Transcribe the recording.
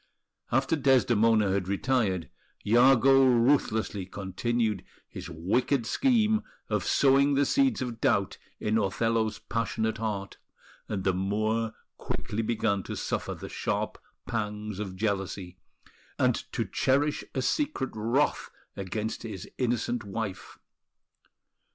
After Desdemona had retired, Iago ruthlessly continued his wicked scheme of sowing the seeds of doubt in Othello's passionate heart; and the Moor quickly began to suffer the sharp pangs of jealousy, and to cherish a secret wrath against his innocent wife.